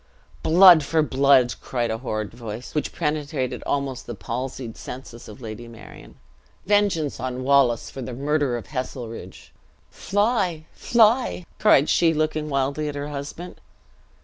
"Blood for blood!" cried a horrid voice, which penetrated the almost palsied senses of Lady Marion. "Vengence on Wallace, for the murder of Heselrigge!" "Fly, fly!" cried she, looking wildly at her husband.